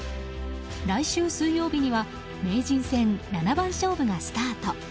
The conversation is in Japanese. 来週水曜日には名人戦七番勝負がスタート。